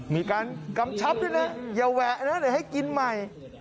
มีการกำชับด้วยนะอย่าแวะนะเดี๋ยวให้กินใหม่